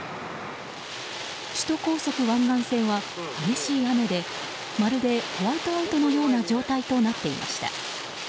首都高速湾岸線は激しい雨でまるでホワイトアウトのような状態となっていました。